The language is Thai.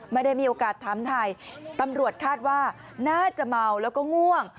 ไม่ได้มีโอกาสถามไทยตำรวจคาดว่าน่าจะเมาแล้วก็ง่วง